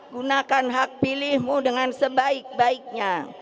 gunakan hak pilihmu dengan sebaik baiknya